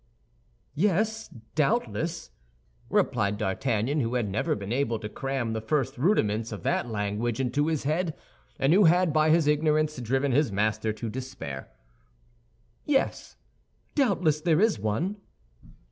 "Yes, doubtless," replied D'Artagnan, who had never been able to cram the first rudiments of that language into his head, and who had by his ignorance driven his master to despair, "yes, doubtless there is one."